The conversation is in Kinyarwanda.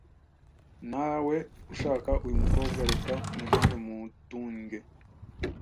Ntawe ushaka uyumukobwa reka mujyane mutunge